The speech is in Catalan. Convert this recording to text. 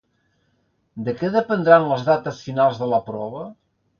De què dependran les dates finals de la prova?